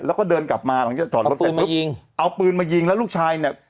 แล้วก็เดินกลับมาเอาปืนมายิงเอาปืนมายิงแล้วลูกชายเนี้ย